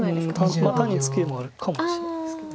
単にツケもあるかもしれないですけど。